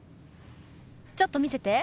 ちょっと見せて。